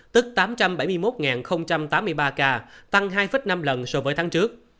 tức tám trăm bảy mươi một tám mươi ba ca tăng hai năm lần so với tháng trước